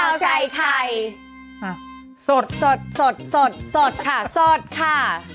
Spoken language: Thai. ค่าวใจไข่สดค่ะสดค่ะสดค่ะ